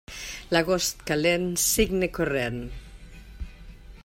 L'agost calent, cigne corrent.